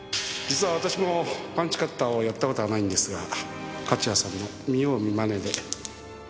実は私もパンチカッターをやった事はないんですが勝谷さんの見よう見まねで。